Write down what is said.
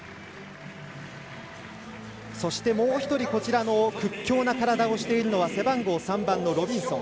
そして、もう１人屈強な体をしているのが背番号３番のロビンソン。